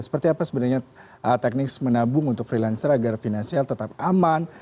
seperti apa sebenarnya teknik menabung untuk freelancer agar finansial tetap aman